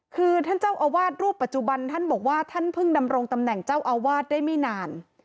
คือท่านเจ้าอาวาสรูปปัจจุบันท่านบอกว่าท่านเพิ่งดำรงตำแหน่งเจ้าอาวาสได้ไม่นาน